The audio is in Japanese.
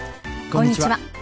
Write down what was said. こんにちは。